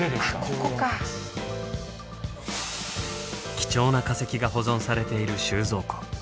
貴重な化石が保存されている収蔵庫。